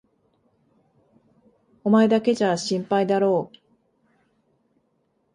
お前だけじゃ心配だろう？